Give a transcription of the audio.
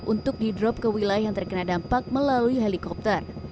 untuk didrop ke wilayah yang terkena dampak melalui helikopter